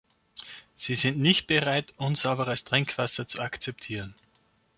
Sie sind nicht bereit, unsauberes Trinkwasser zu akzeptieren.